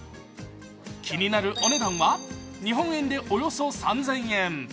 気になるお値段は日本円でおよそ３０００円。